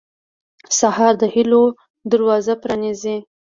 سهار د هيلو دروازه پرانیزي.